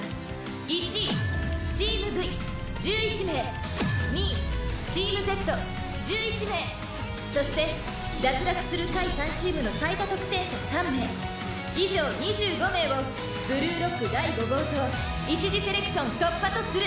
「１位チームＶ１１名」「２位チームＺ１１名」「そして脱落する下位３チームの最多得点者３名」「以上２５名をブルーロック第伍号棟一次セレクション突破とする」